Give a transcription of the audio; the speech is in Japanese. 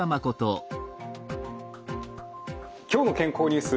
「きょうの健康ニュース」